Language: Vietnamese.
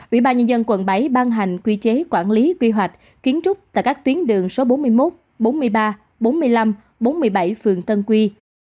ubnd quận bảy ban hành quy chế quản lý quy hoạch kiến trúc tại các tuyến đường số bốn mươi một bốn mươi ba bốn mươi năm bốn mươi bảy phường tân quy